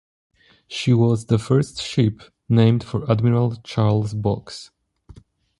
She was the first ship named for Admiral Charles Boggs.